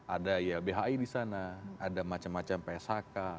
ada ya bhi di sana ada macam macam pshk